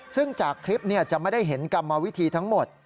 ซึ่งจากคลิปจะไม่ได้เห็นกรรมวิธีทั้งหมด